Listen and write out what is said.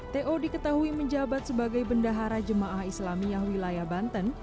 teo diketahui menjabat sebagai bendahara jamaah islamiyah wilayah banten